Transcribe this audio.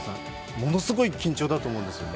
ものすごい緊張だと思うんですよ。